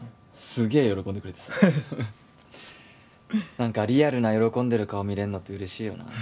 すげえ喜んでくれてさハハ何かリアルな喜んでる顔見れんのって嬉しいよな